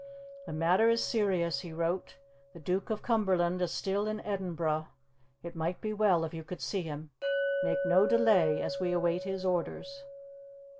"The matter is serious," he wrote, "the Duke of Cumberland is still in Edinburgh. It might be well if you could see him. Make no delay, as we await his orders."